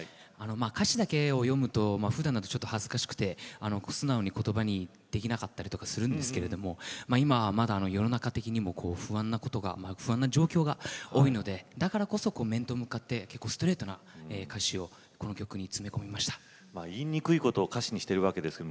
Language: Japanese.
歌詞だけを見るとふだんだと恥ずかしくて素直にことばにできなかったりするんですけれど今まだ世の中的にも不安なことが不安な状況が多いのでだからこそ、面と向かってストレートな歌詞を言いにくいことを歌詞にしているんですね。